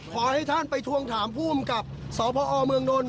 ขอให้ท่านไปทวงถามผู้อำกับสพเมืองนนท